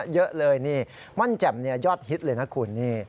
เยอะเลยนี่ม่อนแจ่มยอดฮิตเลยนะคุณนี่